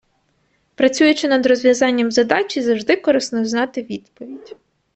Працюючи над розв'язанням задачі, завжди корисно знати відповідь.